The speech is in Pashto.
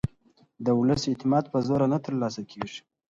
د ولس اعتماد په زور نه ترلاسه کېږي